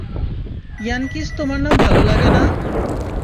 Yankees তোমার না ভালো লাগে না?